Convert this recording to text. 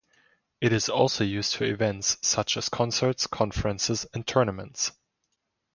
It is also used for events such as concerts, conferences and tournaments.